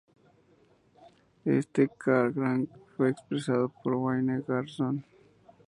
Este Krang fue expresado por Wayne Grayson.